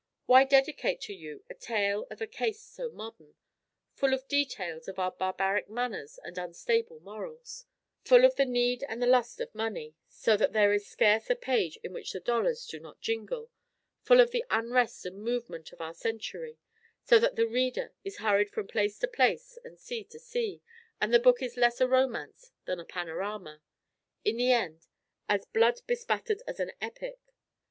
Why dedicate to you a tale of a caste so modern; full of details of our barbaric manners and unstable morals; full of the need and the lust of money, so that there is scarce a page in which the dollars do not jingle; full of the unrest and movement of our century, so that the reader is hurried from place to place and sea to sea, and the book is less a romance than a panorama in the end, as blood bespattered as an epic?